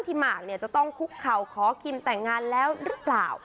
หมากเนี่ยจะต้องคุกเข่าขอคิมแต่งงานแล้วหรือเปล่า